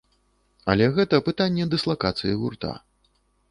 Але гэта пытанне дыслакацыі гурта.